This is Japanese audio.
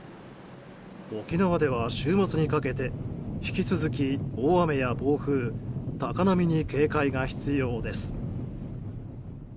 沖縄では、週末にかけて引き続き大雨や防風高波に警戒が必要です。